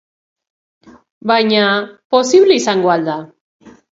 Baina posible izango al da?